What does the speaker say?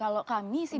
kalau kami sih